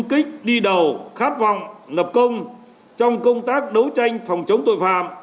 kích đi đầu khát vọng lập công trong công tác đấu tranh phòng chống tội phạm